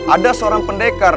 ada seorang pendekar